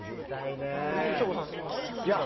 省吾さんは？